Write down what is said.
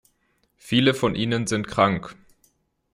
Viele von ihnen sind krank.